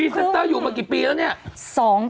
เซนเตอร์อยู่มากี่ปีแล้วเนี่ย